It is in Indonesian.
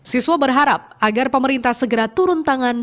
siswa berharap agar pemerintah segera turun tangan